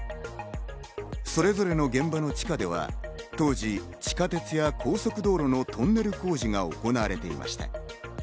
それぞれの現場の地下では当時、地下鉄や高速道路のトンネル工事が行われていました。